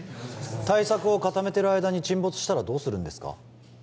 対策を固めてる間に沈没したらどうするんですか？